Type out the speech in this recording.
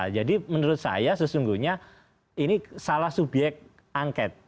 jadi menurut saya sesungguhnya ini salah subyek angket